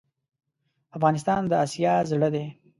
افغانستان دا اسیا زړه ډی